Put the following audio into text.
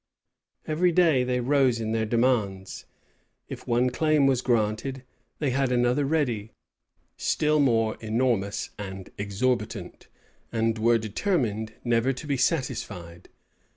Every day they rose in their demands. If one claim was granted, they had another ready, still more enormous and exorbitant; and were determined never to be satisfied.